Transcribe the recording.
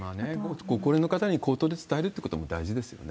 ご高齢の方に口頭で伝えるというのも大事ですよね。